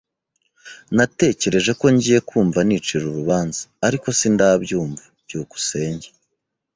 Natekereje ko ngiye kumva nicira urubanza, ariko sindabyumva. byukusenge